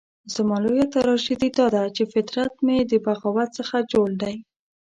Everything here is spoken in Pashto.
زما لويه تراژیدي داده چې فطرت مې د بغاوت څخه جوړ دی.